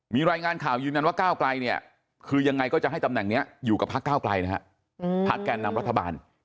มีรายงานข่าวยืนนั้นว่าโก้ไกรคือยังไงก็จะให้ตำแหน่งนี้อยู่กับภะท์โก้ไกรพักแก่นนำรัฐบาล